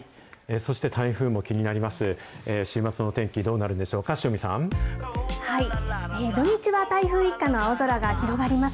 そして、台風も気になります。